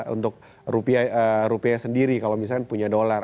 untuk rupiah sendiri kalau misalnya punya dolar